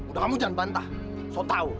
udah kamu jangan bantah so tau